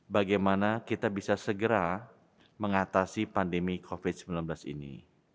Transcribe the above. bagaimana kita bisa segera mengatasi pandemi covid sembilan belas ini